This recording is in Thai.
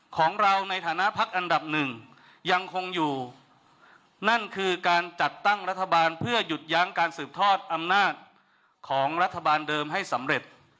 ของรัฐบาลเดิมให้สำเร็จ